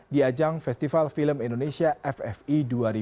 di ajang festival film indonesia ffi dua ribu dua puluh